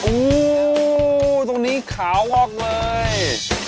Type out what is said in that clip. โอ้โหตรงนี้ขาวงอกเลย